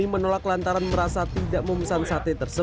pembacaan dakwaan na